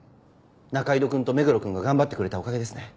仲井戸くんと目黒くんが頑張ってくれたおかげですね。